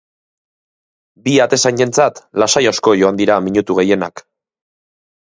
Bi atezainentzat lasai asko joan dira minutu gehienak.